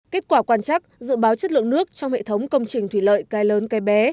kết quả quan chắc dự báo chất lượng nước trong hệ thống công trình thủy lợi cái lớn cái bé